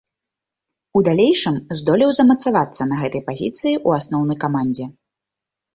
У далейшым здолеў замацавацца на гэтай пазіцыі ў асноўнай камандзе.